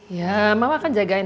ya mama akan jagain